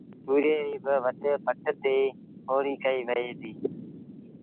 تُوريئي ريٚ با وڏُ پٽ تي کوڙيٚ ڪئيٚ وهي ديٚ